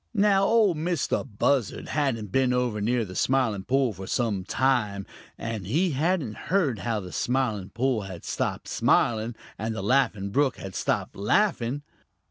Now Ol' Mistah Buzzard hadn't been over near the Smiling Pool for some time, and he hadn't heard how the Smiling Pool had stopped smiling, and the Laughing Brook had stopped laughing.